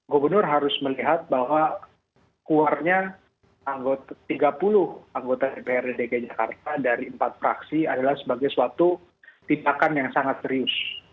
gubernur harus melihat bahwa keluarnya tiga puluh anggota dprd dki jakarta dari empat fraksi adalah sebagai suatu tipakan yang sangat serius